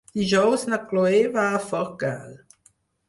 Dijous na Cloè va a Forcall.